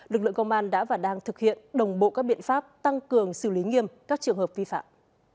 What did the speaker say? lực lượng công an đã và đang thực hiện đồng bộ các biện pháp tăng cường xử lý nghiêm các trường hợp vi phạm